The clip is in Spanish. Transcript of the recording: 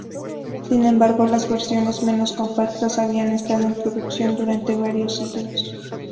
Sin embargo, las versiones menos compactas habían estado en producción durante varios siglos.